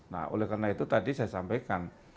nah oleh karena itu tadi saya sampaikan